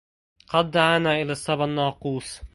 قد دعانا إلى الصبا الناقوس